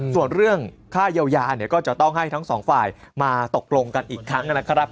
ส่วนเรื่องค่าเยียวยาเนี่ยก็จะต้องให้ทั้งสองฝ่ายมาตกลงกันอีกครั้งนะครับ